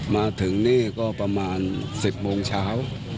มาถึงนี่ก็ประมาณสิบบนชาว